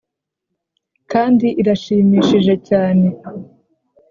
kandi irashimishije cyane.